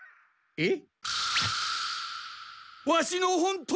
えっ？